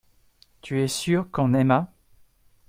Tu es sûr qu’on aima.